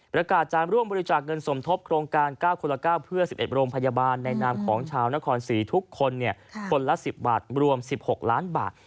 ประกาศจะร่วมบริจาคเงินสมทบโครงการ๙คนละ๙เพื่อ๑๑โรงพยาบาลในนามของชาวนครศรีทุกคนคนละ๑๐บาทรวม๑๖ล้านบาท